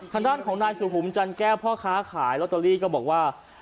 ทางด้านของนายสุขุมจันแก้วพ่อค้าขายลอตเตอรี่ก็บอกว่า